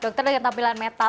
dokter dengan tampilan metal